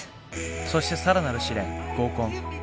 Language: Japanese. そして更なる試練合コン。